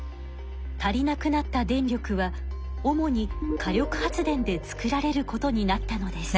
足りなくなった電力は主に火力発電で作られることになったのです。